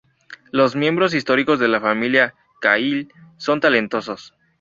Los miembros históricos de la familia Cahill son talentosos.